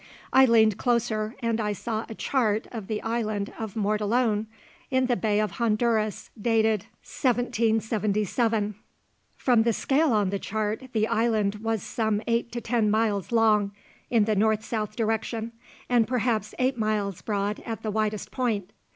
I leaned closer, and I saw a chart of the Island of Mortallone in the Bay of Honduras dated MDCCLXXVII. From the scale on the chart, the island was some eight to ten miles long in the north south direction, and perhaps eight miles broad at the widest point.